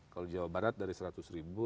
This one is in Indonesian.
kalau jawa barat dari seratus ribu